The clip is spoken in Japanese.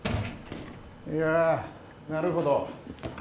・いやなるほど。